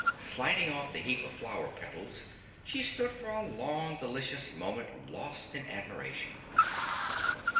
Sliding off the heap of flower petals she stood for a long delicious moment lost in admiration.